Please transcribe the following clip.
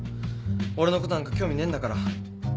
俺のことなんか興味ねえんだから。